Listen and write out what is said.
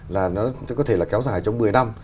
là nó có thể là kéo dài trong một mươi năm